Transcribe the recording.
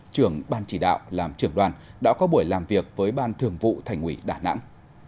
trưởng ban chỉ đạo làm trưởng đoàn đã có buổi làm việc với ban thường vụ thành ủy đà nẵng